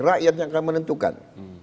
rakyat yang akan menentukan